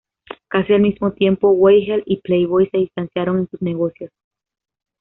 Casi al mismo tiempo, Weigel y Playboy se distanciaron en sus negocios.